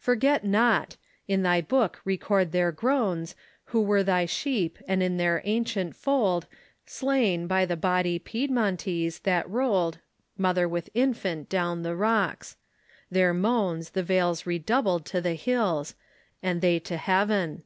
Forget not: in thy book record their groanes Who were thy sheep, and in their antient Fold Slaya bj' the bloody Piedmontese that roll'd Mother with Infant down the Rocks. Their moans The Vales redoubl'd to the Hills, and they To Heav'n.